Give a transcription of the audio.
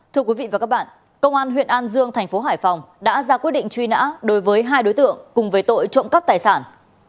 thưa quý vị và các bạn công an huyện an dương thành phố hải phòng đã ra quyết định truy nã đối với hai đối tượng cùng về tội trộm cắp tài sản